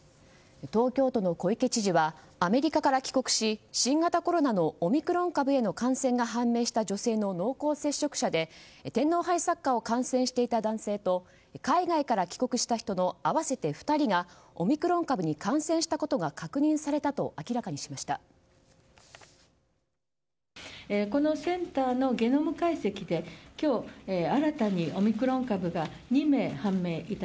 東京都の小池知事はアメリカから帰国し新型コロナのオミクロン株への感染が判明した女性の濃厚接触者で天皇杯サッカーを観戦していた男性と海外から帰国した人の合わせて２人がオミクロン株に感染したことが確認されたと明らかにしました。